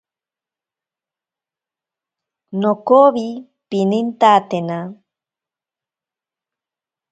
Nokowi pinintatena.